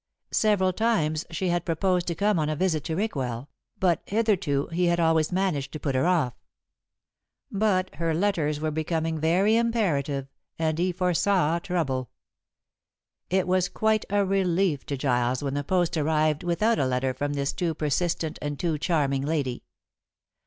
Several times she had proposed to come on a visit to Rickwell, but hitherto he had always managed to put her off. But her letters were becoming very imperative, and he foresaw trouble. It was quite a relief to Giles when the post arrived without a letter from this too persistent and too charming lady.